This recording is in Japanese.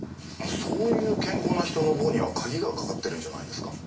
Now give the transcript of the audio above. そういう健康な人の房には鍵がかかってるんじゃないですか？